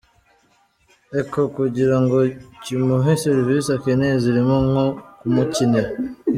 Echo kugira ngo kimuhe serivisi akeneye zirimo nko kumukinira